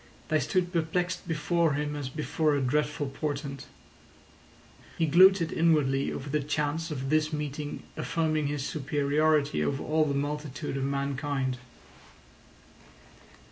They stood perplexed before him as if before a dreadful portent. He gloated inwardly over the chance of this meeting affirming his superiority over all the multitude of mankind.